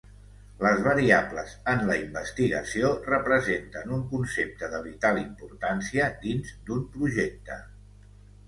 Les variables en la investigació, representen un concepte de vital importància dins d'un projecte.